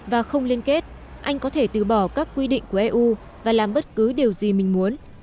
và không liên kết anh có thể từ bỏ các quy định của eu và làm bất cứ điều gì mình muốn